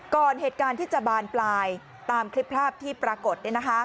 เหตุการณ์ที่จะบานปลายตามคลิปภาพที่ปรากฏ